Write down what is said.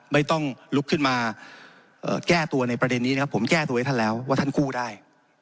ไม่ต้องลุกขึ้นมาแก้ตัวในประเด็นนี้นะครับผมแก้ตัวให้ท่านแล้วว่าท่านกู้ได้